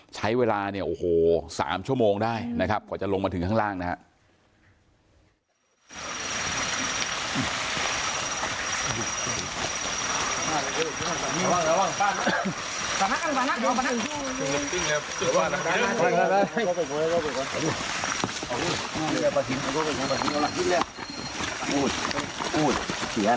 ใช้เวลา๓ชั่วโมงได้นะครับกว่าจะลงมาถึงข้างล่างนะฮะ